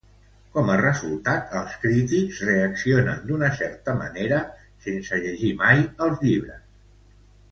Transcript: Com a resultat, els crítics reaccionen d'una certa manera sense llegir mai els llibres.